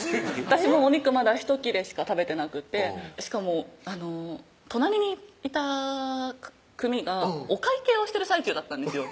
私もお肉まだひと切れしか食べてなくてしかも隣にいた組がお会計をしてる最中だったんですよ